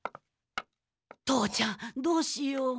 父ちゃんどうしよう。